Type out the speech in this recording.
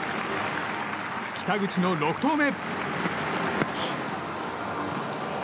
北口の６投目。